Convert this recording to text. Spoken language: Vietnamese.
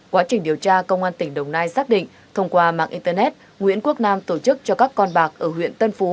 quá trình điều tra công an tỉnh đồng nai xác định thông qua mạng internet nguyễn quốc nam tổ chức cho các con bạc ở huyện tân phú